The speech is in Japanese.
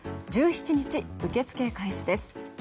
１７日、受付開始です。